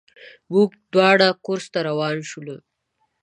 موږ دواړه کورس ته روان شولو.